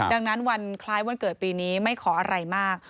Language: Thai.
ดังนั้นวันคล้ายวันเกิดปีนี้ไม่ขออะไรมาก